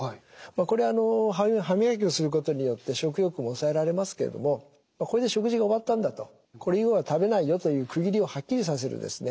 これは歯磨きをすることによって食欲も抑えられますけれどもこれで食事が終わったんだとこれ以後は食べないよという区切りをはっきりさせるんですね。